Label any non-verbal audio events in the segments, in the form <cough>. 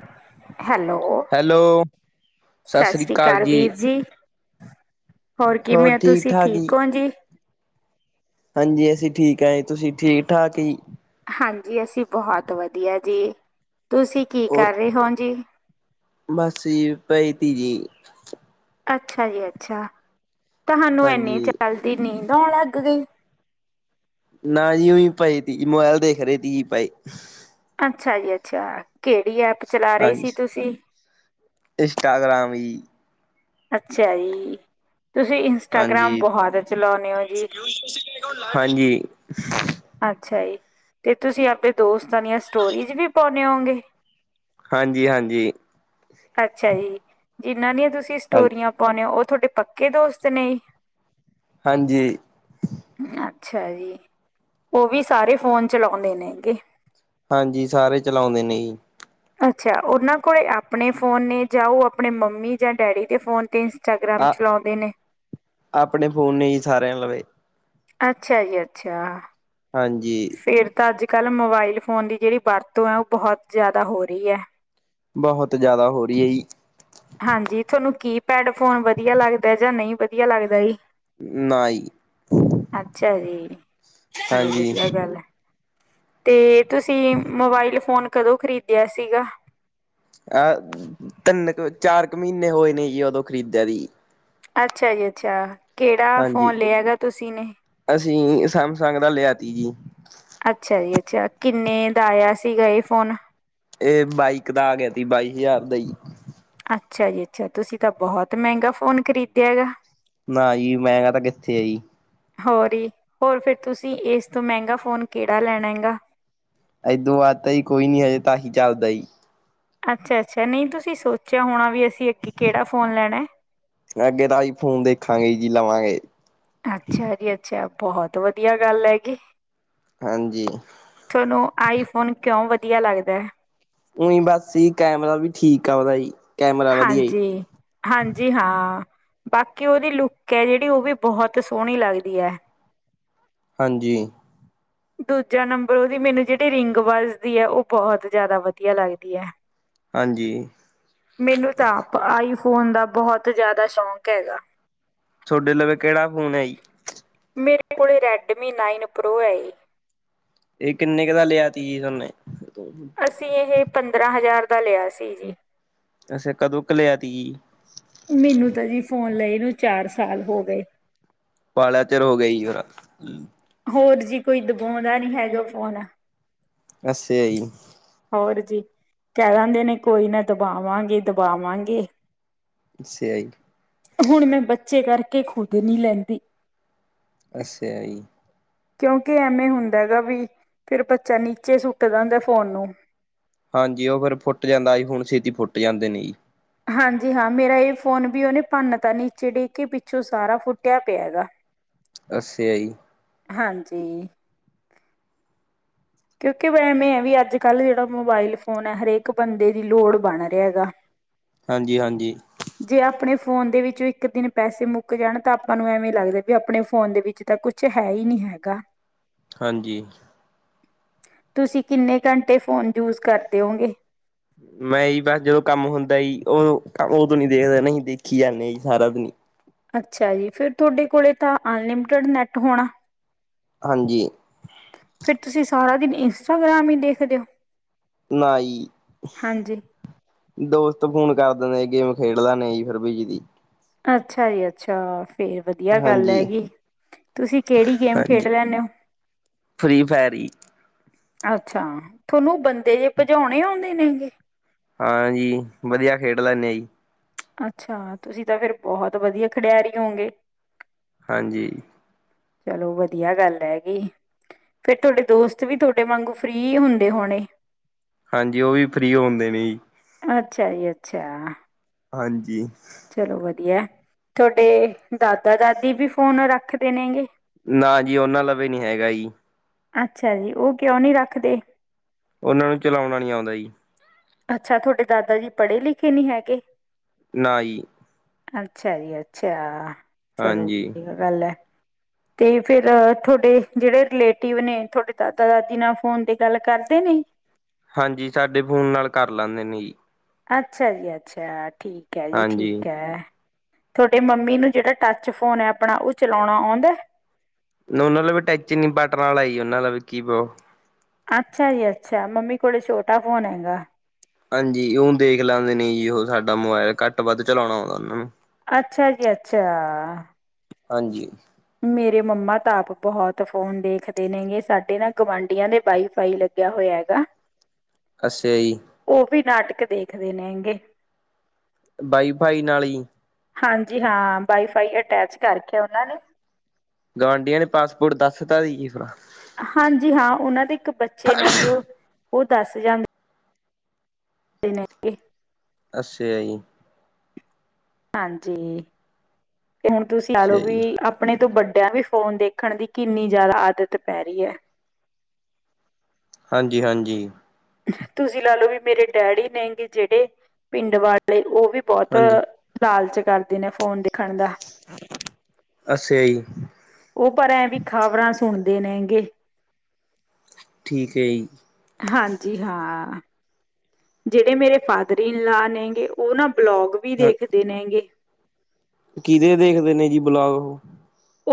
<inaudible> Hello hello, ਸਤਿ ਸ੍ਰੀ ਅਕਾਲ ਵੀਰ ਜੀ ਹੋਰ ਕਿਵੇਂ ਆ ਤੁਸੀਂ ਠੀਕ ਹੋ ਜੀ ਹਾਂਜੀ ਅਸੀਂ ਠੀਕ ਹਏਏ ਤੁਸੀਂ ਠੀਕ ਠਾਕ ਹੀ ਹਾਂਜੀ ਅਸੀਂ ਬਹੁਤ ਵਧੀਆ ਜੀ ਤੁਸੀਂ ਕੀ ਕਰ ਰਹੇ ਹੋ ਜੀ ਬਸ ਜ ਭਾਈ ਤੀਜੀ ਅੱਛਾ ਜੀ ਅੱਛਾ, ਤੁਹਾਨੁੰ ਐਨੀ ਹਾਂਜੀ। ਜਲਦੀ ਨੀਦ, ਨਾਉਣ ਲੱਗ ਗਏ। ਨਾ ਜੀ ਉਹੀ ਪਏ ਤੀ ਜੀ ਮੋਬਾਇਲ ਦੇਖ ਰਹੇ ਤੀ ਪਏ। ਅੱਛਾ ਜੀ ਅੱਛਾ ਕਿਹੜੀ ਐਪ, ਚਲਾ ਰਹੇ ਸੀ ਤੁਸੀਂ? ਇਨਸਟਾਗ੍ਰਾਮ ਜੀ ਅੱਛਾ ਜੀ, ਤੁਸੀਂ ਇੰਸਟਾਗ੍ਰਾਮ ਹਾਂਜੀ, ਬਹੁਤ ਚਲਾਨੇ ਹੋ ਜੀ ਹਾਂਜੀ। ਅੱਛਾ ਜੀ। ਤੇ ਤੁਸੀਂ ਆਪਣੇ ਦੋਸਤ, ਦੀ ਸਟੋਰੀਜ ਵੀ ਪਾਨੇ ਔ ਗੇ। ਹਾਂਜੀ-ਹਾਂਜੀ, ਜਿੰਨਾ ਦੀਆ ਤੁਸੀਂ, ਸਟੋਰੀਆਂ ਪਾਉਂਨੇ ਔ ਉ ਤੁਹਾਡੇ ਪੱਕੇ ਦੋਸਤ ਨੇ? ਹਾਂਜੀ, ਅੱਛਾ ਜੀ ਉਹ ਵੀ ਸਾਰੇ ਫੋਨ ਚਲਾਉਂਦੇ ਨੇ ਐ ਗੇ। ਹਾਂਜੀ ਸਾਰੇ ਚਲਾਉਂਦੇ ਨੇ ਜੀ, ਅੱਛਾ ਉਹਨਾਂ ਕੋਲੇ ਆਪਣੇ ਫੋਨ ਨੇ ਜਾਂ ਉਹ ਆਪਣੇ ਮੰਮੀ ਜਾਂ ਡੈਡੀ ਦੇ ਫੋਨ ਤੇ, ਇੰਸਟਾਗ੍ਰਾਮ ਆ ਚਲਾਉਂਦੇ ਨੇ ਆਪਣੇ ਫੋਨ ਹੀ ਸਾਰਿਆਂ ਲਵੇ, ਅੱਛਾ ਜੀ ਅੱਛਾ, ਹਾਂਜੀ, ਫਿਰ ਤਾਂ ਅੱਜ ਕੱਲ੍ਹ ਮੋਬਾਇਲ ਫੋਨ ਦੀ ਜਿਹੜੀ ਵਰਤੋਂ ਹੈ ਉਹ ਬਹੁਤ ਜ਼ਿਆਦਾ ਹੋ ਰਹੀ ਹੈ। ਬਹੁਤ ਜ਼ਿਆਦਾ ਹੋ ਰਹੀ ਹੈ ਜੀ, ਪੈਡ ਫੋਨ ਵਧੀਆ ਲੱਗਦਾ ਜਾਂ ਨਹੀਂ ਵਧੀਆ ਲੱਗਦਾ ਜੀ। ਨਾ ਈ, ਅੱਛਾ ਜੀ, ਚਲੋ ਹਾਂਜੀ। ਵਧੀਆ ਗੱਲ ਹੈ। ਤੇ ਤੁਸੀਂ ਮੋਬਾਇਲ ਫੋਨ ਕਦੋਂ ਖਰੀਦਿਆ ਸੀਗਾ? ਆ ਤਿੰਨ ਕੁ ਚਾਰ ਕੁ ਮਹੀਨੇ ਹੋਏ ਨੇ ਜੀ ਉਦੋਂ ਖ਼ਰੀਦਿਆ ਦੀ ਅੱਛਾ ਜੀ ਅੱਛਾ, ਕਿਹੜਾ ਹਾਂਜੀ ਫੋਨ ਲਿਆਗਾ ਤੁਸੀਂ ਨੇ? ਅਸੀਂ ਸੈਮਸੰਗ ਦਾ ਲਿਆ ਤੀ ਜੀ, ਅੱਛਾ ਜੀ ਅੱਛਾ ਕਿੰਨੇ ਦਾ ਆਇਆ ਸੀਗਾ ਇਹ ਫੋਨ? ਇਹ ਬਾਈ ਕੂ ਦਾ ਆ ਗਿਆ ਸੀ ਬਾਈ ਹਜ਼ਾਰ ਦਾ ਈ। ਅੱਛਾ ਜੀ ਅੱਛਾ ਤੁਸੀਂ ਤਾਂ ਬਹੁਤ ਮਹਿੰਗਾ ਫੋਨ ਖਰੀਦਿਆ ਏਗਾ। ਨਾ ਜੀ ਮਹਿੰਗਾ ਤਾਂ ਕਿੱਥੇ ਆ ਜੀ, ਹੋਰ ਹੀ ਹੋਰ ਫਿਰ ਤੁਸੀਂ ਇਸ ਤੋਂ ਮਹਿੰਗਾ ਫੋਨ ਕਿਹੜਾ ਲੈਣਾ ਗਾ। ਏਦੋਂ ਬਾਅਦ ਤਾਂ ਕੋਈ ਨੀ ਹਜੇ ਤਾਂ ਇਹੀ ਚੱਲਦਾ ਜੀ ਅੱਛਾ ਅੱਛਾ ਨਹੀਂ ਤੁਸੀਂ ਸੋਚਿਆ ਹੋਣਾ ਵੀ ਤੁਸੀਂ ਅੱਗੇ ਕਿਹੜਾ ਫੋਨ ਲੈਣਾ ਹੈ ਅੱਗੇ ਤਾਂ ਆਈ ਫੋਨ ਦੇਖਾਂਗੇ ਜੀ ਲਵਾਂਗੇ -ਅੱਛਾ ਜੀ ਅੱਛਾ। ਬਹੁਤ ਵਧੀਆ ਗੱਲ ਹੈਗੀ। ਹਾਂਜੀ। ਤੁਹਾਨੂੰ ਆਈਫੋਨ ਕਿਉਂ ਵਧੀਆ ਲੱਗਦਾ। ਓਇ ਬਸ ਹੀ ਕੈਮਰਾ ਵੀ ਠੀਕ ਆ ਉਹਦਾ ਜੀ। ਕੈਮਰਾ ਵਧੀਆ ਜੀ ਹਾਂਜੀ, ਹਾਂਜੀ ਹਾਂ। ਬਾਕੀ ਉਹਦੀ ਲੁੱਕ ਹੈ। ਜਿਹੜੀ ਉਹ ਵੀ ਬਹੁਤ ਸੋਹਣੀ ਲੱਗਦੀ ਹੈ। ਹਾਂਜੀ। ਦੂਜਾ ਨੰਬਰ ਉਹਦੀ ਮੈਨੂੰ ਜਿਹੜੀ ਰਿੰਗ ਵੱਜ਼ਦੀ ਹੈ ਉਹ ਬਹੁਤ ਜਿਆਦਾ ਵਧੀਆ ਲੱਗਦੀ ਹੈ। ਹਾਂਜੀ ਮੈਨੂੰ ਤਾਂ ਆਪ ਆਈ ਫੋਨ ਦਾ ਬਹੁਤ ਜ਼ਿਆਦਾ ਸ਼ੌਂਕ ਹੈਗਾ। ਤੁਹਾਡੇ ਲਵੇ ਕਿਹੜਾ ਫੋਨ ਹੈ ਜੀ। ਮੇਰੇ ਕੋਲ ਰੈਡਮੀ ਨਾਈਨ ਪ੍ਰੋ ਹੈ। ਇਹ ਕਿੰਨੇ ਕ ਦਾ ਲਿਆ ਤੀ ਜੀ ਸੋਨੇ। ਅਸੀਂ ਇਹ ਪੰ ਦਰਾਂ ਹਜ਼ਾਰ ਦਾ ਲਿਆ ਸੀ ਜੀ। ਅੱਛਾ ਕਦੋਂ ਕ ਲਿਆ ਤੀ ਜੀ ਮੈਨੂੰ ਤਾਂ ਜੀ ਫੋਨ ਲਈ ਨੂੰ ਚਾਰ ਸਾਲ ਹੋ ਗਏ। ਵਾਲਾ ਚਿਰ ਹੋ ਗਿਆ ਜੀ ਫਿਰ ਹੋਰ ਜੀ ਕੋਈ ਦਵਾਉਂਦਾ ਨੀ ਹੈਗਾ ਫੋਨ ਅੱਛਾ ਜੀ ਹੋਰ ਜੀ ਕਹਿ ਦਿੰਦੇ ਨੇ ਕੋਈ ਨਾ ਦਬਾਵਾਂਗੇ, ਦਬਾਵਾਂਗੇ। ਅੱਛਾ ਜੀ ਹੁਣ ਮੈਂ ਬੱਚੇ ਕਰਕੇ ਖੁਦ ਨਹੀਂ ਲੈਂਦੀ। ਅੱਛਾ ਜੀ। ਕਿਉਂਕਿ ਐਵੇਂ ਹੁੰਦਾ ਹੈਗਾ ਵੀ ਫਿਰ ਬੱਚਾ ਨੀਚੇ ਸੁੱਟਦਾ ਦਿੰਦਾ ਫੋਨ ਨੂੰ। ਹਾਂਜੀ ਉਹ ਫਿਰ ਫੁੱਟ ਜਾਂਦਾ ਜੀ ਆਈ ਫੋਨ ਛੇਤੀ ਫੁੱਟ ਜਾਂਦੇ ਨੇ ਜੀ। ਹਾਂਜੀ ਹਾਂ ਮੇਰਾ ਇਹ ਫੋਨ ਵੀ ਉਹਨੇ ਭੰਨ ਤਾਂ ਨੀਚੇ ਡਿੱਗ ਕੇ ਪਿੱਛੋਂ ਸਾਰਾ ਫੁੱਟਿਆ ਪਿਆ ਗਾ। ਅੱਛਾ ਜੀ <unintelligible> ਕਿਉਂਕਿ ਵਹਿਮ ਇਹ ਆ ਵੀ ਅੱਜ ਕੱਲ੍ਹ ਜਿਹੜਾ ਮੋਬਾਇਲ ਫੋਨ ਹੈ। ਹਰੇਕ ਬੰਦੇ ਦੀ ਲੋੜ ਬਣ ਰਿਹਾ ਗਾ ਹਾਂਜੀ, ਹਾਂਜੀ। ਫੋਨ ਦੇ ਵਿੱਚ ਇੱਕ ਦਿਨ ਪੈਸੇ ਮੁੱਕ ਜਾਣ ਤਾਂ ਆਪਾਂ ਨੂੰ ਐਵੇਂ ਲੱਗਦਾ ਵੀ ਆਪਣੇ ਫੋਨ ਦੇ ਵਿੱਚ ਤਾਂ ਕੁਛ ਹੈ ਹੀ ਨਹੀਂ ਹੈਗਾ। ਹਾਂਜੀ। ਤੁਸੀਂ ਕਿੰਨੇ ਘੰਟੇ ਫੋਨ ਯੂਜ ਕਰਦੇ ਹੋਗੇ। ਮੈਂ ਜੀ ਬਸ ਜਦੋਂ ਕੰਮ ਹੁੰਦਾ ਸੀ ਉਹ, ਉਹ ਤੂੰ ਨੀ ਦੇਖਦਾ ਨਹੀਂ ਦੇਖੀ ਜਾਣੇ ਆ ਜੀ ਸਾਰਾ ਦਿਨ। ਅੱਛਾ ਜੀ ਫਿਰ ਤੁਹਾਡੇ ਕੋਲ ਤਾਂ ਅਨਲਿਮਟਿਡ ਨੈਟ ਹੋਣਾ। ਹਾਂਜੀ। ਫਿਰ ਤੁਸੀਂ ਸਾਰਾ ਦਿਨ ਇੰਸਟਾਗ੍ਰਾਮ ਹੀ ਦੇਖਦੇ ਹੋ। ਨਾ ਜੀ ਹਾਂਜੀ। ਦੋਸਤ ਫ਼ੋਨ ਕਰ ਦਿੰਦੇ ਗੇਮ ਖੇਡ ਲਿਆ ਨੇ ਫਿਰ ਵਿਚ ਦੀ ਅੱਛਾ ਜੀ, ਅੱਛਾ। ਫੇਰ ਵਧੀਆ ਗੱਲ ਹਾਂਜੀ ਹੈਗੀ, ਤੁਸੀਂ ਕਿਹੜੀ ਗੇਮ ਹਾਂਜੀ ਖੇਡ ਲੈਂਦੇ ਹੋ। ਫ੍ਰੀ ਫਾਇਰ ਜੀ ਅੱਛਾ ਥਹਾਨੂੰ ਬੰਦੇ ਜੇ ਭਜਾਉਣੇ ਆਉਂਦੇ ਨੇਗੇ। ਹਾਂਜੀ ਵਧੀਆ ਖੇਡ ਲੈਂਦੇੇ ਆਂ ਜੀ। ਅੱਛਾ ਤੁਸੀਂ ਤਾਂ ਫਿਰ ਬਹੁਤ ਵਧੀਆ ਖਿਡਾਰੀ ਹੋਂਗੇ। ਹਾਂਜੀ, ਚਲੋ ਵਧੀਆ ਗੱਲ ਹੈਗੀ ਫੇਰ ਤੁਹਾਡੇ ਦੋਸਤ ਵੀ ਤੁਹਾਡੇ ਵਾਂਗੂ ਫ੍ਰੀ ਹੁੰਦੇ ਹੋਣੇ। ਹਾਂਜੀ ਉਹ ਵੀ ਫ੍ਰੀ ਓ ਹੁੰਦੇ ਨੇ ਜੀ। ਅੱਛਾ ਜੀ, ਅੱਛਾ। ਹਾਂਜੀ, ਚਲੋ ਵਧੀਆ ਤੁਹਾਡੇ ਦਾਦਾ- ਦਾਦੀ ਵੀ ਫੋਨ ਰੱਖਦੇ ਨੇਗੇ। ਨਾ ਜੀ ਉਹਨਾਂ ਲਵੇ ਨੀ ਹੈਗਾ ਜੀ। ਅੱਛਾ ਜੀ ਉਹ ਕਿਉਂ ਨਹੀਂ ਰੱਖਦੇ। ਉਹਨਾਂ ਨੂੰ ਚਲਾਉਣਾ ਨੀ ਆਉਂਦਾ ਜੀ। ਅੱਛਾ ਤੁਹਾਡੇ ਦਾਦਾ ਜੀ ਪੜ੍ਹੇ ਲਿਖੇ ਨਹੀਂ ਹੈਗੇ। ਨਾ ਈ। ਅੱਛਾ ਜੀ, ਅੱਛਾ। ਚਲੋ ਹਾਂਜੀ ਵਧੀਆ ਗੱਲ ਐ। ਤੇ ਫਿਰ ਤੁਹਾਡੇ ਜਿਹੜੇ ਰਿਲੇਟਿਵ ਨੇ ਤੁਹਾਡੇ ਦਾਦਾ -ਦਾਦੀ ਨਾਲ ਫੋਨ ਤੇ ਗੱਲ ਕਰਦੇ ਨੇ। ਹਾਂਜੀ, ਸਾਡੇ ਫੋਨ ਨਾਲ ਕਰ ਲੈਂਦੇ ਨੇ ਜੀ। ਅੱਛਾ ਜੀ, ਅੱਛਾ। ਠੀਕ ਹੈ ਜੀ, ਹਾਂਜੀ ਠੀਕ ਹੈ। ਤੁਹਾਡੇ ਮੰਮੀ ਨੂੰ ਜਿਹੜਾ ਟਚ ਫੋਨ ਹੈ ਆਪਣਾ ਉਹ ਚਲਾਉਣਾ ਆਉਂਦਾ। ਉਹਨਾਂ ਕੋਲ ਟੱਚ ਨੀ ਬਟਨ ਵਾਲਾ ਆ ਹੀ ਉਹਨਾਂ ਦਾ ਵੀ ਕੀ ਬੋ ਅੱਛਾ ਜੀ, ਅੱਛਾ ਮੰਮੀ ਕੋਲੇ ਛੋਟਾ ਫੋਨ ਹੈਗਾ। ਹਾਂਜੀ ਉਹ ਦੇਖ ਲੈਂਦੇ ਨੇ ਜੀ ਉਹ ਸਾਡਾ ਮੋਬਾਇਲ ਘੱਟ ਵੱਧ ਚਲਾਉਣਾ ਆਉਂਦਾ ਉਹਨਾਂ ਨੂੰ ਅੱਛਾ ਜੀ, ਅੱਛਾ। ਹਾਂਜੀ, ਮੇਰੇ ਮੰਮਾ ਤਾ ਆਪ ਬਹੁਤ ਫੋਨ ਦੇਖਦੇ ਨੇਗੇ, ਸਾਡੇ ਨਾ ਗੁਵਾਂਢੀਆਂ ਦੇ ਵਾਈਫਾਈ ਲਗਿਆ ਹੋਇਆ ਹੈਗਾ। ਅੱਛਿਆ ਜੀ। ਉਹ ਵੀ ਨਾਟਕ ਦੇਖਦੇ ਨੇ ਹੈਗੇ। ਵਾਈ ਫਾਈ ਨਾਲ ਜੀ ਫਾਈ ਅਟੈਚ ਕਰ ਰਖਿਐ ਉਹਨਾਂ ਨੇ ਗੁਆਂਢੀਆਂ ਨੇ ਪਾਸਵਰਡ ਦੱਸਤਾ ਸੀ ਥੋਨੂੰ। ਹਾਂਜੀ ਹਾਂ ਉਹਨਾਂ ਦੇ ਇੱਕ ਬੱਚੇ ਨੇਗੇ ਉਹ ਉਹ ਦੱਸ ਜਾਂਦੇ <unintelligible> ਅੱਛਿਆ ਜੀ। ਹਾਂਜੀ, ਤੇ ਹੁਣ ਤੁਸੀਂ ਲਾ ਲਓ ਅੱਛਾ ਵੀ ਜੀ ਆਪਣੇ ਤੋਂ ਵੱਡੇ ਵਡਿਆਂ ਨੂੰ ਵੀ ਫ਼ੋਨ ਦੇਖਣ ਦੀ ਕਿੰਨੀ ਜ਼ਿਆਦਾ ਆਦਤ ਪੈ ਰਹੀ ਐ। ਹਾਂਜੀ -ਹਾਂਜੀ। ਤੁਸੀਂ ਲਾ ਲਓ ਵੀ ਮੇਰੇ ਡੈਡੀ ਨੇਗੇ ਜਿਹੜੇ ਪਿੰਡ ਵਾਲੇ ਉਹ ਵੀ ਬਹੁਤ ਹਾਂਜੀ ਲਾਲਚ ਕਰਦੇ ਨੇ ਫੋਨ ਦੇ ਖਣ ਦਾ ਅੱਛਾ ਜੀ ਉਹ ਪਰ ਵੀ ਖ਼ਬਰਾਂ ਸੁਣ ਦੇ ਨੇਗੇ ਹੈਗੇ। ਠੀਕ ਹੈ ਜੀ। ਹਾਂਜੀ ਹਾਂ ਜਿਹੜੇ ਮੇਰੇ ਫਾਦਰ-ਇਨ-ਲਾ ਨੇਗੇ ਉਹ ਨਾਂ ਬਲੋਗ ਵੀ ਹਾਂ ਦੇਖਦੇ ਨੇ ਹੈਗੇ। ਕਿਹਦੇ ਦੇਖਦੇ ਨੇ ਜੀ ਵਲੋਗ ਉਹ।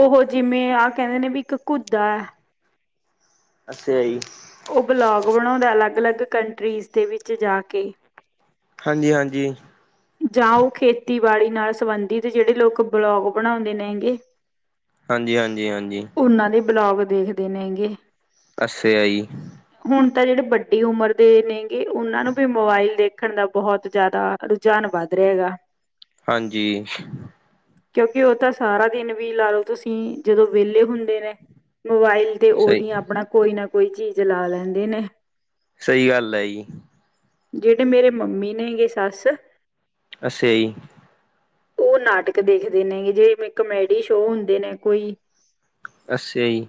ਉਹ ਜਿਵੇਂ ਆਹ ਕਹਿੰਦੇ ਨੇ ਵੀ ਇੱਕ ਕੁੱਦਾ ਹੈ। ਅੱਛਾ ਜੀ। ਉਹ ਬਲੌਗ ਬਣਾਉਂਦਾ ਅਲੱਗ-ਅਲੱਗ ਕੰਟਰੀਜ਼ ਦੇ ਵਿੱਚ ਜਾ ਕੇ। ਹਾਂਜੀ-ਹਾਂਜੀ ਵਾਲੀ ਨਾਲ ਸੰਬੰਧਿਤ ਜਿਹੜੇ ਲੋਕ ਬਲੋਗ ਬਣਾਉਂਦੇ ਨੇ ਹੈਗੇ। ਹਾਂਜੀ-ਹਾਂਜੀ, ਹਾਂਜੀ ਦੇ ਬਲੋਗ ਦੇਖਦੇ ਨੇ ਹੈਗੇ। ਅੱਛਾ ਜੀ। ਤਾਂ ਜਿਹੜੇ ਵੱਡੀ ਉਮਰ ਦੇ ਨੇਗੇ ਉਹਨਾਂ ਨੂੰ ਵੀ ਮੋਬਾਇਲ ਦੇਖਣ ਦਾ ਬਹੁਤ ਜਾਦਾ ਰੁ ਜਾਣ ਵੱਧ ਰਹੇਗਾ। ਹਾਂਜੀ। ਕਿਉਂਕਿ ਉਹ ਤਾਂ ਸਾਰਾ ਦਿਨ ਵੀ ਲਾ ਲਓ ਤੁਸੀਂ ਜਦੋਂ ਵਿਹਲੇ ਹੁੰਦੇ ਨੇ ਮੋਬਾਇਲ ਤੇ ਸਹੀ ਉਹਦੀ ਆਪਣਾ ਕੋਈ ਨਾ ਕੋਈ ਚੀਜ਼ ਲਾ ਲੈਂਦੇ ਨੇ। ਸਹੀ ਗੱਲ ਹੈ ਜੀ। ਜਿਹੜੇ ਮੇਰੇ ਮੰਮੀ ਨੇਗੇ ਸੱਸ ਅੱਛਾ ਜੀ। ਉਹ ਨਾਟਕ ਦੇਖਦੇ ਨੇ ਜੇ ਕਮੇਡੀ ਸ਼ੋਅ ਹੁੰਦੇ ਨੇ ਕੋਈ ਅੱਛਾ ਜੀ।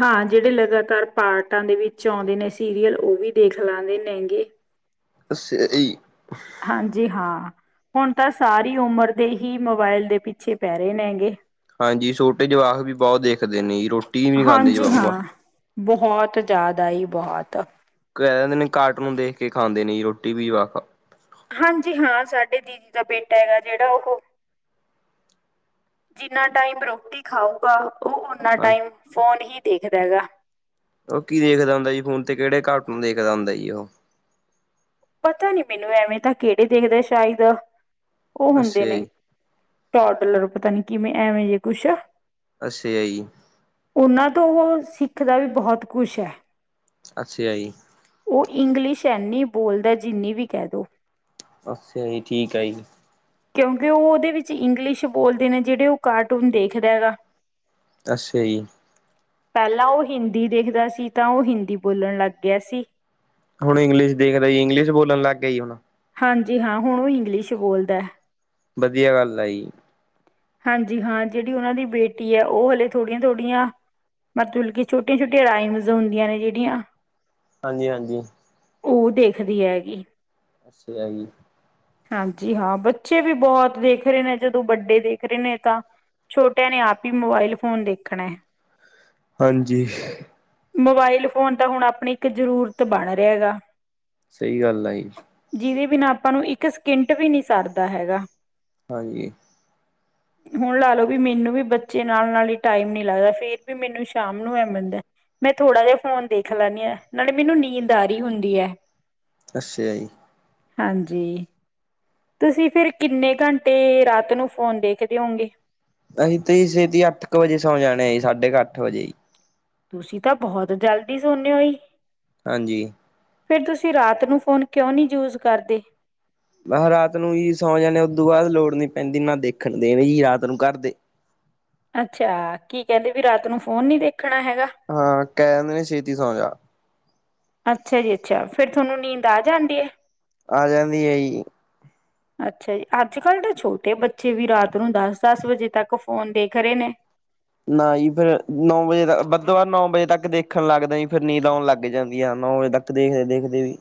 ਹਾਂ ਜਿਹੜੇ ਲਗਾਤਾਰ ਪਾਰਟਾਂ ਦੇ ਵਿੱਚ ਆਉਂਦੇ ਨੇ ਸੀਰੀਅਲ ਉਹ ਵੀ ਦੇਖ ਲਾਂਦੇ ਨੇ ਹੈਗੇ। ਅੱੱਸ ਈ। ਹਾਂ ਹੁਣ ਤਾਂ ਸਾਰੀ ਉਮਰ ਦੇ ਹੀ ਮੋਬਾਇਲ ਦੇ ਪਿੱਛੇ ਪੈ ਰਹੇ ਨੇ ਹੈਗੇ। ਹਾਂਜੀ ਛੋਟੇ ਜਵਾਕ ਵੀ ਬਹੁਤ ਦੇਖਦੇ ਨੇ ਰੋ ਹਾਂਜੀ ਹਾਂ। ਬਹੁਤ ਜ਼ਿਆਦਾ ਈ ਬਹੁਤ। ਕਹਿ ਦਿੰਦੇ ਨੇ ਕਾਰਟੂਨ ਦੇਖ ਕੇ ਖਾਂਦੇ ਨੇ ਰੋਟੀ ਵੀ ਵਾ ਹਾਂਜੀ ਹਾਂ ਸਾਡੇ ਦੀਦੀ ਦਾ ਬੇਟਾ ਹੈਗਾ ਜਿਹੜਾ ਉਹ ਜਿੰਨਾ ਟਾਈਮ ਰੋਟੀ ਖਾਊਗਾ ਉਹ ਓਨਾ ਹਾਂ ਟਾਈਮ ਫੋਨ ਹੀ ਦੇਖਦਾ ਹੈਗਾ। ਉਹ ਕੀ ਦੇਖਦਾ ਹੁੰਦਾ ਜੀ ਫੋਨ ਤੇ ਕਿਹੜੇ ਕਾਕੁਨ ਦੇਖਦਾ ਹੁੰਦਾ ਜੀ ਉਹ। ਪਤਾ ਨੀ ਮੈਨੂੰ ਐਵੇਂ ਤਾਂ ਕਿਹੜੇ ਦੇਖਦੇ ਸ਼ਾਇਦ ਉਹ ਅੱਛਾ ਹੁੰਦੇ ਨੇ। ਜੀ ਟੌਟਲਰ ਪਤਾ ਨੀ ਕਿਵੇਂ, ਐਵੇਂ ਜੇ ਕੁੱਛ ਅਸ ਆਈ ਤੋਂ ਉਹ ਸਿੱਖ ਦਾ ਵੀ, ਬਹੁਤ ਕੁਛ ਹੈ। ਅੱਛਾ ਜੀ‌ ਉਹ ਇੰਗਲਿਸ਼ ਹੈਨੀ ਬੋਲਦਾ, ਜਿੰਨੀ ਵੀ ਕਹਿ ਦਿਉ ਅੱਛਾ ਜੀ, ਠੀਕ ਆ ਜੀ। ਕਿਉਂਕਿ ਉਹ, ਉਹਦੇ ਵਿੱਚ ਇੰਗਲਿਸ਼ ਬੋਲਦੇ ਨੇ, ਜਿਹੜੇ ਉਹ ਕਾਰਟੂਨ ਦੇਖਦਾ ਹੈਗਾ। ਅੱਸਾ਼ ਜੀ। ਪਹਿਲਾਂ ਉਹ ਹਿੰਦੀ ਦੇਖਦਾ ਸੀ ਤਾਂ, ਉਹ ਹਿੰਦੀ ਬੋਲਣ ਲੱਗ ਗਿਆ ਸੀ। ਹੁਣ ਇੰਗਲਿਸ਼ ਦੇਖਦਾ ਹੈ, ਇੰਗਲੀਸ਼ ਬੋਲਣ ਲੱਗ ਗਿਆਈ ਹੁਣ। ਹਾਂਜੀ। ਹਾਂ, ਹੁਣ ਉਹ ਇੰਗਲਿਸ਼ ਬੋਲਦਾ। ਵਧੀਆ ਗੱਲ ਆ ਜੀ। ਹਾਂਜੀ ਹਾਂ, ਜਿਹੜੀ ਉਹਨਾਂ ਦੀ ਬੇਟੀ ਹੈ, ਉਹ ਹਲੇ ਥੋੜੀਆਂ ਥੋੜੀਆਂ ਮਤਲਬ ਕਿ, ਛੋਟੀਆਂ -ਛੋਟੀਆਂ ਰਾਈਮਸ ਹੁੰਦੀਆਂ ਨੇ, ਜਿਹੜੀਆਂ ਹਾਂਜੀ। ਹਾਂਜੀ। ਉਹ ਦੇਖਦੀ ਹੈਗੀ। ਅੱਛਾ ਹੈ ਜੀ। ਹਾਂਜੀ ਹਾਂ, ਬੱਚੇ ਵੀ ਬਹੁਤ ਦੇਖ ਰਹੇ ਨੇ, ਜਦੋਂ ਵੱਡੇ ਦੇ ਦੇਖ ਰਹੇ ਨੇ ਤਾਂ, ਛੋਟਿਆਂ ਨੇ ਆਪ ਹੀ ਮੋਬਾਇਲ ਫੋਨ ਦੇਖਣਾ ਹੈ ਹਾਂਜੀ। ਮੋਬਾਇਲ ਫੋਨ ਤਾਂ, ਹੁਣ ਆਪਣੀ ਇੱਕ ਜਰੂਰਤ ਬਣ ਰਿਹਾ ਗਾ। ਸਹੀ ਗੱਲ ਆ ਈ। ਬਿਨਾਂ ਆਪਾਂ ਨੂੰ, ਇੱਕ ਸਕਿੰਟ ਵੀ ਨੀ ਸਰਦਾ ਹੈਗਾ। ਹਾਂਜੀ। ਹੁਣ ਲਾ ਲਓ ਵੀ, ਮੈਨੂੰ ਵੀ ਬੱਚੇ ਨਾਲ- ਨਾਲ ਹੀ ਟਾਈਮ ਨੀ ਲੱਗਦਾ ਫੇਰ ਵੀ, ਮੈਨੂੰ ਸ਼ਾਮ ਨੂੰ ਐ ਮਿਲਦਾ, ਮੈਂ ਥੋੜਾ ਜਿਹਾ ਫੋਨ ਦੇਖ ਲੈਂਦੀ ਆ ਨਾਲੇ ਮੈਨੂੰ ਨੀਂਦ ਆਰੀ ਹੁੰਦੀ ਹੈ। ਅੱਸ਼ਆਜੀ। ਹਾਂਜੀ। ਤੁਸੀਂ, ਫੇਰ ਕਿੰਨੇ ਘੰਟੇ ਰਾਤ ਨੂੰ, ਫੋਨ ਦੇਖਦੇ ਓਗੇ? ਅਸੀਂ ਤੇ ਸੇਤੀ ਅੱਠ ਕੁ ਵਜੇ ਸੌ ਜਾਣੇ ਜੀ, ਸਾਢੇ ਕੁ ਅੱਠ ਵਜੇ ਹੀ। ਤੁਸੀਂ ਤਾਂ, ਬਹੁਤ ਜਲਦੀ ਸੋਨੇ ਹੋ ਜੀ। ਹਾਂਜੀ। ਫੇਰ, ਤੁਸੀਂ ਰਾਤ ਨੂੰ ਫ਼ੋਨ ਕਿਉਂ ਨਹੀਂ ਯੂਜ ਕਰਦੇ। ਮੈਂ, ਕਿਹਾ ਰਾਤ ਨੂੰ ਜੀ ਸੌ ਜਾਂਦੇ, ਉਦੋਂ ਬਾਅਦ ਲੋੜ ਨੀ ਪੈਂਦੀ, ਮੈਂ ਦੇਖਣ ਦੇਵੇ ਜੀ ਰਾਤ ਨੂੰ ਘਦੇ ਅੱਛਾ। ਕੀ ਕਹਿੰਦੇ ਵੀ ਰਾਤ ਨੂੰ ਫੋਨ ਨੀ ਦੇਖ ਹਾਂ, ਕਹਿ ਦੇਂਦੇ ਨੇ ਛੇਤੀ ਸੌਂ ਜਾ। ਅੱਛਾ ਜੀ। ਅੱਛਾ ਫੇਰ, ਥੋਨੂੰ ਨੀਂਦ ਆ ਜਾਂਦੀ ਹੈ। ਆ ਜਾਂਦੀ ਹਾਈ। ਅੱਛਾ ਜੀ। ਅੱਜ- ਕੱਲ੍ਹ ਤੇ ਛੋਟੇ ਬੱਚੇ ਵੀ ਰਾਤ ਨੂੰ, ਦੱਸ ਦੱਸ ਵਜੇ ਤੱਕ, ਫੋਨ ਦੇਖ ਰਹੇ ਨੇ। ਨਾ, ਜੀ ਫੇਰ ਨੌ ਵਜੇ ਤ, ਵੱਧੋ ਵੱਧ ਨੌ ਵਜੇ ਤੱਕ ਦੇਖਣ ਲੱਗਦਾ, ਫੇਰ ਨੀਂਦ ਆਉਣ ਲੱਗ ਜਾਂਦੀ ਆ, ਨੌ ਵਜੇ ਤੱਕ ਦੇਖਦੇ- ਦੇਖਦੇ ਵੀ।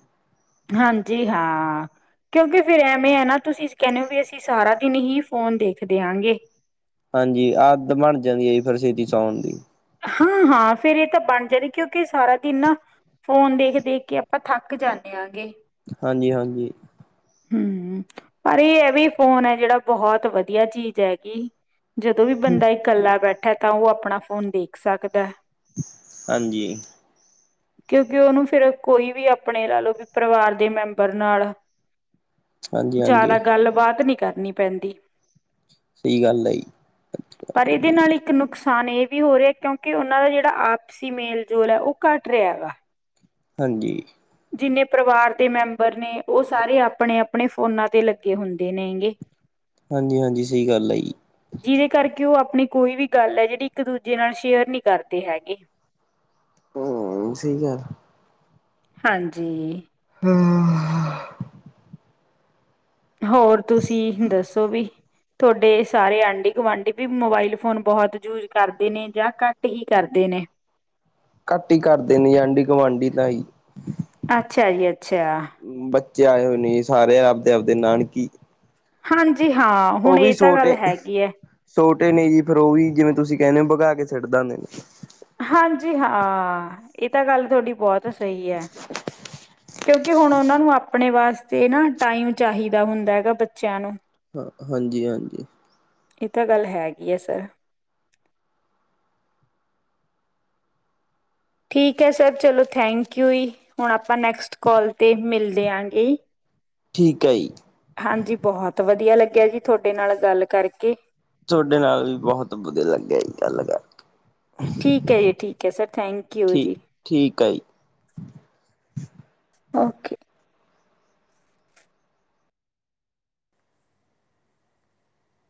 ਹਾਂਜੀ ਹਾਂ ਕਿਉਂਕਿ ਫੇਰ ਐਵੇਂ ਆ ਨਾ, ਤੁਸੀਂ ਕਹਿੰਦੇ ਹੋ ਵੀ, ਅਸੀਂ ਸਾਰਾ ਦਿਨ ਹੀ ਫੋਨ ਦੇਖਦੇ ਆਂਗੇ। ਹਾਂਜੀ। ਆਦਤ ਬਣ ਜਾਂਦੀ ਹੈ ਜੀ। ਫੇਰ ਛੇਤੀ ਸੌਣ ਦੀ। ਹਾਂ, ਹਾਂ ਫੇਰ, ਇਹ ਤਾਂ ਬਣ ਜਾਂਦੀ, ਕਿਉਂਕਿ ਸਾਰਾ ਦਿਨ ਨਾ ਫੋਨ ਦੇਖ- ਦੇਖ ਕੇ ਆਪਾਂ ਥੱਕ ਜਾਂਦੇ ਹਾਂਗੇ। ਹਾਂਜੀ, ਹਾਂਜੀ। ਹੂੰ, ਪਰ ਇਹ ਇਹ ਵੀ ਫੋਨ ਹੈ, ਜਿਹੜਾ ਬਹੁਤ ਵਧੀਆ ਚੀਜ਼ ਹੈਗੀ। ਜਦੋਂ ਵੀ ਬੰਦਾ ਇਕੱਲਾ ਬੈਠਾ ਹੈ, ਤਾਂ ਉਹ ਆਪਣਾ ਫੋਨ ਦੇਖ ਸਕਦਾ ਐ। ਹਾਂਜੀ। ਕਿਉਂਕਿ ਉਹਨੂੰ ਫਿਰ ਕੋਈ ਵੀ ਆਪਣੇ ਲਾ ਲਓ ਵੀ ਪਰਿਵਾਰ ਦੇ ਮੈਂਬਰ ਨਾਲ ਹਾਂਜੀ ਹਾਂਜੀ ਜ਼ਿਆਦਾ ਗੱਲਬਾਤ ਨੀਂ ਕਰਨੀ ਪੈਂਦੀ। ਸਹੀ ਗੱਲ ਹੈ ਜੀ ਪਰ ਇਹਦੇ ਨਾਲ ਇੱਕ ਨੁਕਸ ਨੁਕਸਾਨ ਇਹ ਵੀ ਹੋ ਰਿਹਾ ਕਿਉਂਕਿ ਉਹਨਾਂ ਦਾ ਜਿਹੜਾ ਆਪਸੀ ਮੇਲ ਜੋਲ ਐ ਉਹ ਘੱਟ ਰਿਹਾ ਗਾ। ਹਾਂਜੀ। ਜਿੰਨੇ ਪਰਿਵਾਰ ਦੇ ਮੈਂਬਰ ਨੇ ਉਹ ਸਾਰੇ ਆਪਣੇ-ਆਪਣੇ ਫੋਨਾਂ ਤੇ ਲੱਗੇ ਹੁੰਦੇ ਨੇਗੇ। ਹਾਂਜੀ, ਹਾਂਜੀ। ਸਹੀ ਗੱਲ ਐ ਜੀ। ਜਿਹਦੇ ਕਰਕੇ ਉਹ ਆਪਣੀ ਕੋਈ ਵੀ ਗੱਲ ਐ, ਜਿਹੜੀ ਇੱਕ ਦੂਜੇ ਨਾਲ ਸ਼ੇਅਰ ਨੀ ਕਰਦੇ ਹੈਗੇ। ਹਂ ਸਹੀ ਗੱਲ। ਹਾਂਜੀ। ਹਂ <unintelligible> ਹੋਰ ਤੁਸੀਂ ਦੱਸੋ ਵੀ ਤੁਹਾਡੇ ਸਾਰੇ ਆਂਢੀ-ਗੁਆਂਢੀ ਵੀ ਮੋਬਾਈਲ ਫੋਨ ਬਹੁਤ ਯੂਜ ਕਰਦੇ ਨੇਂ ਜਾਂ ਘੱਟ ਹੀ ਕਰਦੇ ਨੇਂ। ਘੱਟ ਹੀ ਕਰਦੇ ਨੇ ਆਂਢੀ, ਗੁਆਂਢੀ ਤਾਂ ਹੀ। ਅੱਛਾ ਜੀ। ਅੱਛਾ। ਆ ਹੋ ਨੀ ਸਾਰੇ ਆਪਦੇ, ਆਪਦੇ ਨਾਨਕੀ ਹਾਂਜੀ ਹਾਂ ਉਹ ਹੁਣ ਵੀ ਇਹ ਤਾਂ ਗੱਲ ਛੋਟੇ, ਹੈਗੀ ਹੈ <unintelligible> ਛੋਟੇ ਨੇਂ ਜੀ ਫਿਰ ਉਹ ਵੀ ਜਿਵੇਂ ਤੁਸੀਂ ਕਹਿੰਦੇ ਹੋ ਭਗਾ ਕੇ ਛਡ ਦਾ ਉਣੇ। ਹਾਂਜੀ ਹਾਂ। ਇਹ ਤਾਂ ਗੱਲ ਤੁਥਹਡੀ ਬਹੁਤ ਸਹੀ ਐ। ਕਿਉਂਕਿ ਹੁਣ ਉਹਨਾਂ ਨੂੰ ਆਪਣੇ ਵਾਸਤੇ ਨਾ ਟਾਈਮ ਚਾਹੀਦਾ ਹੁੰਦਾ ਹੈਗਾ ਬੱਚਿਆਂ ਨੂੰ। ਹਾਂ ਹਾਂਜੀ, ਹਾਂਜੀ। ਇਹ ਤਾਂ ਗੱਲ ਹੈਗੀ ਆ ਸਰ। ਠੀਕ ਹੈ। ਸਰ ਚਲੋ ਥੈਂਕ ਯੂ ਜੀ ਹੁਣ ਆਪਾਂ ਨੈਕਸਟ ਕਾਲ ਮਿਲਦੇ ਆਗੇ ਜੀ। ਠੀਕ ਹੈ ਜੀ। ਹਾਂਜੀ। ਬਹੁਤ ਵਧੀਆ ਲੱਗਿਆ ਜੀ। ਤੁਹਡੇ ਨਾਲ ਗੱਲ ਕਰਕੇ। ਤੁਹਾਡੇ ਨਾਲ ਵੀ ਬਹੁਤ ਵਧੀਆ ਲੱਗਿਆ ਜੀ ਗੱਲ ਕਰਕੇ, ਠੀਕ ਹੈ ਜੀ ਠੀਕ ਹੈ ਸਰ ਥੈਂਕ ਯੂ ਠੀਕ, ਜੀ ਠੀਕ ਆ ਜੀ। ਓਕੇ।